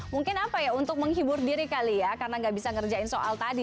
mungkin apa ya untuk menghibur diri kali ya karena nggak bisa ngerjain soal tadi